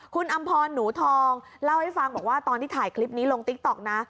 คุณอำพรหนูทองเล่าให้ฟังบอกว่าตอนที่ถ่ายคลิปนี้ลงติ๊กต๊อกนะ